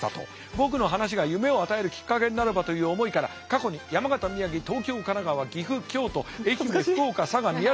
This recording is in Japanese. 僕の話が夢を与えるきっかけになればという思いから過去に山形宮城東京神奈川岐阜京都愛媛福岡佐賀宮崎。